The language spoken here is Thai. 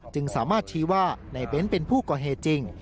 จึงสามารถชี้ว่าในเบ้นเป็นผู้ก่อเหตุจริง